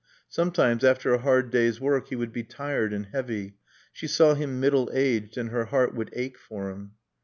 Sometimes, after a hard day's work, he would be tired and heavy; she saw him middle aged and her heart would ache for him.